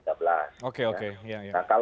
pertama kita menghidupkan orang yang datang ke tps